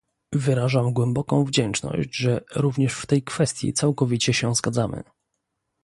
Wyrażam głęboką wdzięczność, że również w tej kwestii całkowicie się zgadzamy